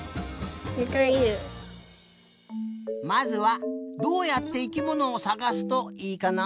まずはどうやって生きものをさがすといいかな？